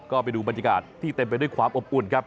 ก็ไปดูบรรยากาศที่เต็มไปด้วยความอบอุ่นครับ